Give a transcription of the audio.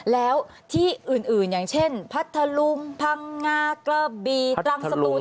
แล้วที่อื่นอย่างเช่นพัทธลุงพังงากระบีตรังสตูน